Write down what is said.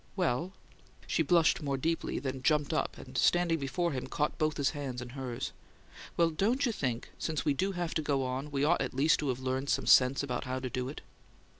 "Well " She blushed more deeply, then jumped up, and, standing before him, caught both his hands in hers. "Well, don't you think, since we do have to go on, we ought at least to have learned some sense about how to do it?"